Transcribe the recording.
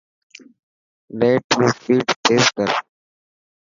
نيٽ ري اسپيڊ تيز ڪر.